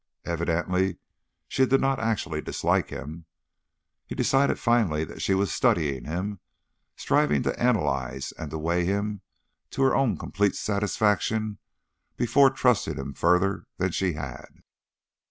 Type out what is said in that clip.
Evidently she did not actually dislike him; he decided finally that she was studying him, striving to analyze and to weigh him to her own complete satisfaction before trusting him further than she had.